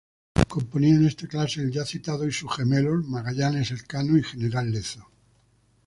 Componían esta clase el ya citado y sus gemelos "Magallanes", "Elcano" y "General Lezo".